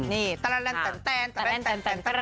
นี่เขาก็ถือของมงคลเวียนรอบบ้างกันไปนะฮะ